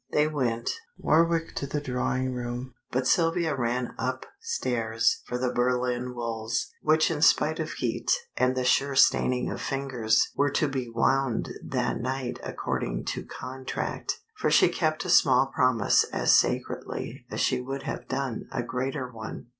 They went; Warwick to the drawing room, but Sylvia ran up stairs for the Berlin wools, which in spite of heat and the sure staining of fingers were to be wound that night according to contract, for she kept a small promise as sacredly as she would have done a greater one.